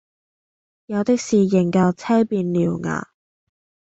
有的是仍舊青面獠牙，